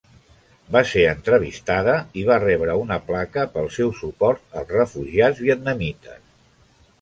Va ser entrevistada i va rebre una placa pel seu suport als refugiats vietnamites.